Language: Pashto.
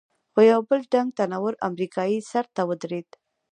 خو یو بل ډنګ، تنه ور امریکایي سر ته ودرېد.